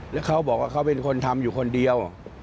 แล้วเขาบอกว่าเขาเป็นคนทำอยู่คนเดียว